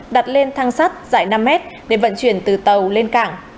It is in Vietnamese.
đặt lên thang sắt dài năm mét để vận chuyển từ tàu lên cảng